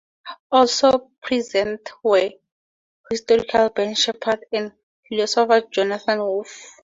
Also present were historian Ben Shephard and the philosopher Jonathan Wolff.